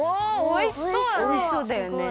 おいしそうだよね。